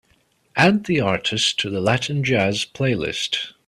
Add the artist to the Latin Jazz playlist.